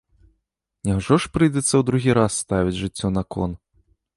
Няўжо ж прыйдзецца ў другі раз ставіць жыццё на кон?